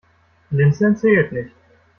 Blinzeln zählt nicht.